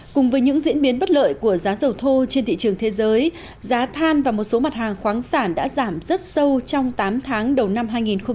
cùng với những diễn biến bất lợi của giá dầu thô trên thị trường thế giới giá than và một số mặt hàng khoáng sản đã giảm rất sâu trong tám tháng đầu năm hai nghìn hai mươi